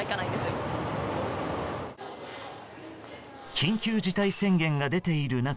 緊急事態宣言が出ている中